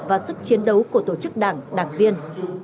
và sức chiến đấu của tổ chức đảng đảng viên